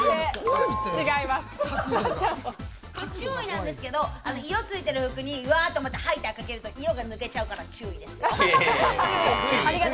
注意なんですけど、色ついてる服にハイターかけると色抜けちゃうから注意ですよ。